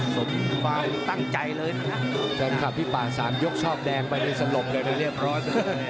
สมความตั้งใจเลยนะใช่ค่ะพี่ป่าสามยกชอบแดงไปในสลบเลยเรียบร้อย